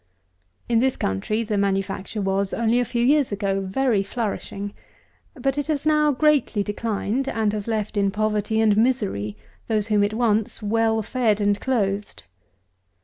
In this country the manufacture was, only a few years ago, very flourishing; but it has now greatly declined, and has left in poverty and misery those whom it once well fed and clothed.